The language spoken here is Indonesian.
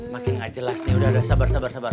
makin gak jelas nih udah sabar sabar sabar